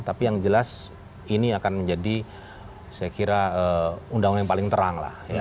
tapi yang jelas ini akan menjadi saya kira undang yang paling terang lah